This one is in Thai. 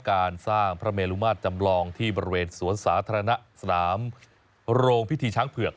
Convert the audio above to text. การสร้างพระเมลุมาตรจำลองที่บริเวณสวนสาธารณะสนามโรงพิธีช้างเผือก